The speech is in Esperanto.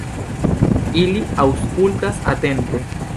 Ili aŭskultas atente.